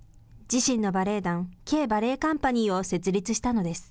自身のバレエ団、Ｋバレエカンパニーを設立したのです。